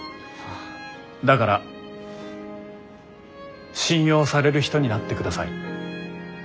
だから信用される人になってください。